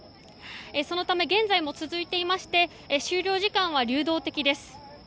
そのため、現在も続いていまして終了時間は流動的です。